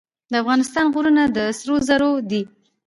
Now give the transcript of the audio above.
د افغانستان غرونه د سرو زرو دي